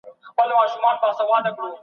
داستاني اثار په ښه ډول وڅېړه.